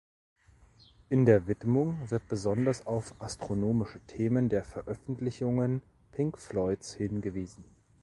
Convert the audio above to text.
In der Widmung wird besonders auf astronomische Themen der Veröffentlichungen Pink Floyds hingewiesen.